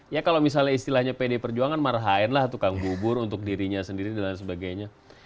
ya kalau misalnya istilahnya pd perjuangan marahinlah tukang bubur untuk dirinya sendiri dan sebagainya